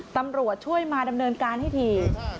ตำรวจช่วยมาดำเนินการให้ที